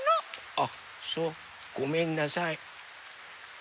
あっそうごめんなさい。